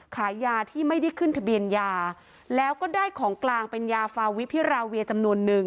ขายยาที่ไม่ได้ขึ้นทะเบียนยาแล้วก็ได้ของกลางเป็นยาฟาวิพิราเวียจำนวนนึง